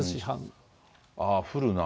ああ、降るな。